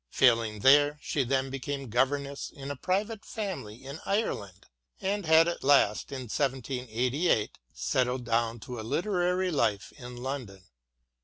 Failing there, she then became governess in a private family in Ireland, and had at last, in 1788, settled down to a literary life in London.